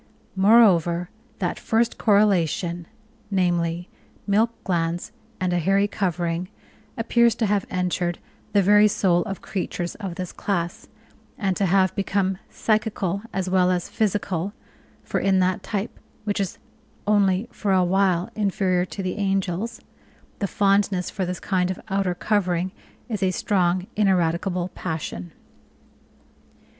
Moreover, that first correlation, namely, milk glands and a hairy covering, appears to have entered the very soul of creatures of this class, and to have become psychical as well as physical, for in that type, which is only for a while inferior to the angels, the fondness for this kind of outer covering is a strong, ineradicable passion!"